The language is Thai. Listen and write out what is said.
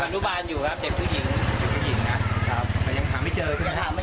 ดูแลหาไม่เจอนะ